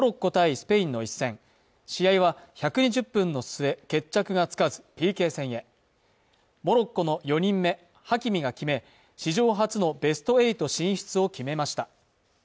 スペインの一戦試合は１２０分の末決着がつかずＰＫ戦へモロッコの４人目ハキミが決め史上初のベスト８進出を決めました